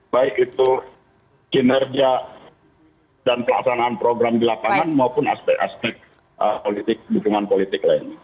baik itu kinerja dan pelaksanaan program di lapangan maupun aspek aspek politik dukungan politik lain